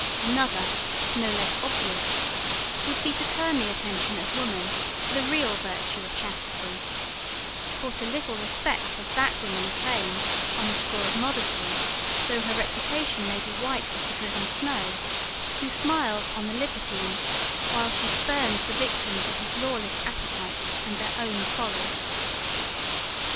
Another, no less obvious, would be to turn the attention of woman to the real virtue of chastity; for to little respect has that woman a claim, on the score of modesty, though her reputation may be white as the driven snow, who smiles on the libertine whilst she spurns the victims of his lawless appetites and their own folly.